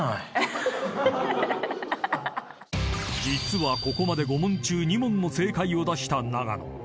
［実はここまで５問中２問の正解を出した永野］